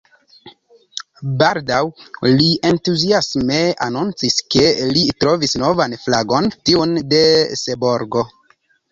Baldaŭ li entuziasme anoncis, ke li trovis novan flagon: tiun de Seborgo.